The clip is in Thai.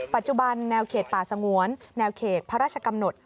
ปัจจุบันแนวเขตป่าสงวนแนวเขตพระราชกำหนด